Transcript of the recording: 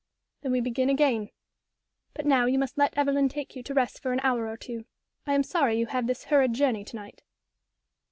"Then we begin again. But now you must let Evelyn take you to rest for an hour or two. I am sorry you have this hurried journey to night."